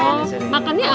oh makannya apa